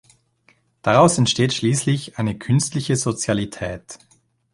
Daraus entsteht schließlich eine "künstliche Sozialität".